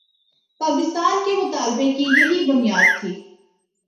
پاکستان کے مطالبے کی یہی بنیاد تھی۔